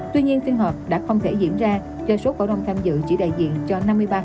tuy nhiên phiên họp đã không thể diễn ra do số cổ đông tham dự chỉ đại diện cho năm mươi ba một mươi sáu